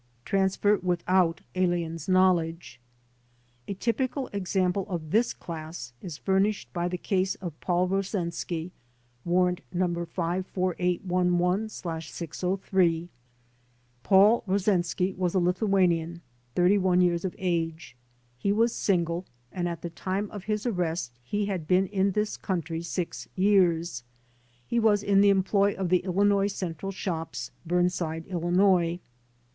Transfer Without Alien's Knowledge A typical example of this class is furnished by the case of Paul Rosensky (Warrant No. 54811/603). Paul CONNECTED WITH PROSCRIBED ORGANIZATIONS 57 Rosensky was a Lithuanian, thirty one years of age. He ivas single and at the time of his arrest he had been in this country six years. He was in the employ of the Illinois Central Shops, Burnside, Illinois.